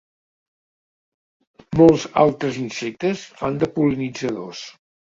Molts altres insectes fan de pol·linitzadors.